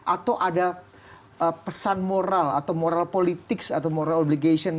atau ada pesan moral atau moral politics atau moral obligation